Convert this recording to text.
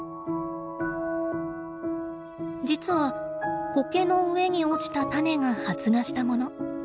実はコケの上に落ちた種が発芽したもの。